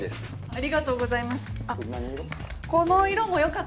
ありがとうございます。